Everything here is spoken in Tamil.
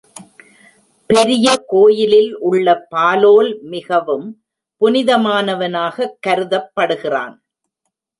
பெரிய கோயிலில் உள்ள பாலோல் மிகவும் புனிதமானவனாகக் கருதப்படுகிறான்.